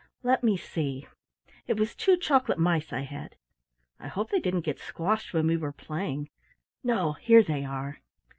Let me see it was two chocolate mice I had I hope they didn't get squashed when we were playing! No, here they are."